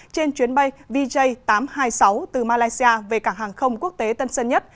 trên chuyến bay vj tám trăm hai mươi sáu từ malaysia về cảng hàng không quốc tế tân sơn nhất